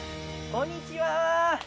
こんにちは！